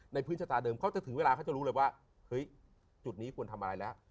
พื้นชะตาเดิมเขาจะถึงเวลาเขาจะรู้เลยว่าเฮ้ยจุดนี้ควรทำอะไรแล้ว